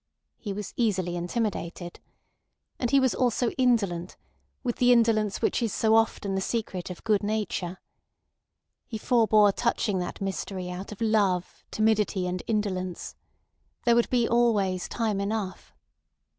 He was easily intimidated. And he was also indolent, with the indolence which is so often the secret of good nature. He forbore touching that mystery out of love, timidity, and indolence. There would be always time enough.